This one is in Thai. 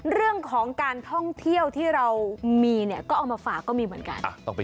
เรื่องของการท่องเที่ยวที่เรามี